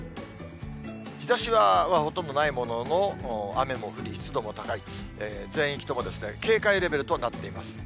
日ざしはほとんどないものの、雨も降り、湿度も高い、全域とも、警戒レベルとなっています。